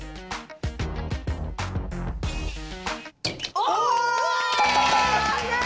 お！